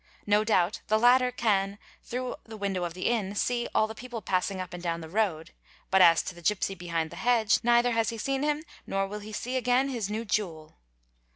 No doubt the latter can, through the window of the inn, see "all the people passing up and down the road"; but as to the gipsy behind the hedge, neither has he seen him nor will he see again his new jool.